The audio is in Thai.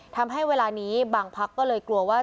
ทำให้เวลานี้บางพักก็เลยกลัวว่า